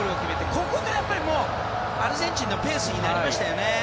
ここからもう、アルゼンチンのペースになりましたよね。